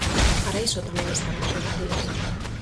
Para iso tamén están as reválidas.